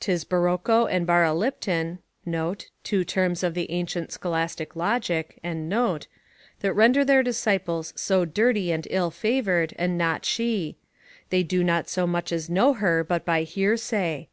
'Tis Baroco and Baralipton [Two terms of the ancient scholastic logic.] that render their disciples so dirty and ill favoured, and not she; they do not so much as know her but by hearsay.